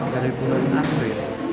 dari bulan asri